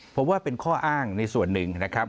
ผมว่าเป็นข้ออ้างในส่วนหนึ่งนะครับ